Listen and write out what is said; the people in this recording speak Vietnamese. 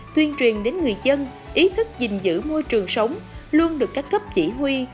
tuyên truyền đến người dân ý thức dình dữ môi trường sống luôn được các cấp chỉ huy